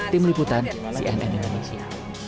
tim liputan cnn indonesia